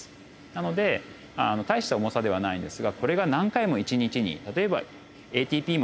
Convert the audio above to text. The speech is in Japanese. なので大した重さではないんですがこれが何回も１日に例えばＡＴＰも分子なので粒々です。